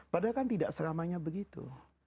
padahal kan tidak selamanya begitu